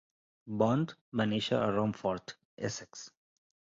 Bond va néixer a Romford, Essex.